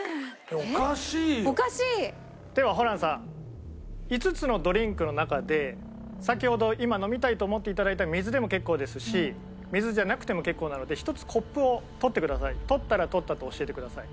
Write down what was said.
おかしい！ではホランさん５つのドリンクの中で先ほど今飲みたいと思っていただいた水でも結構ですし水じゃなくても結構なので取ったら「取った」と教えてください。